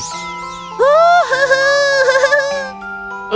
aku akan muntah